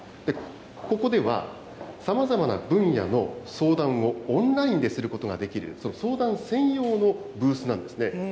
ここでは、さまざまな分野の相談をオンラインですることができる、相談専用のブースなんですね。